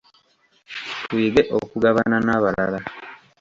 Tuyige okugabana n'abalala.